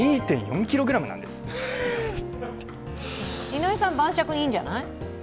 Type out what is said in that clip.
井上さん、晩酌にいいんじゃない？